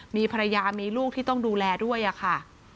มีภรรยามีลูกที่ต้องดูแลด้วยค่ะ